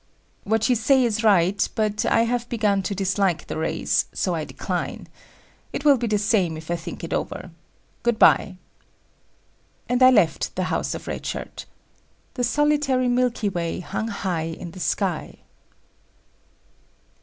"What you say is right, but I have begun to dislike the raise, so I decline. It will be the same if I think it over. Good by." And I left the house of Red Shirt. The solitary milky way hung high in the sky.